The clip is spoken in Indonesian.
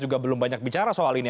juga belum banyak bicara soal ini